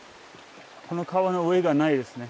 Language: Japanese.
この川の上がないですね。